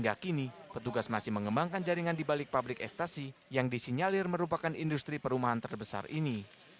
hingga kini petugas masih mengembangkan jaringan di balik pabrik ekstasi yang disinyalir merupakan industri perumahan terbesar ini